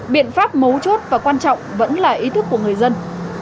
biện pháp mấu chốt và quan trọng vẫn là ý thức của người dân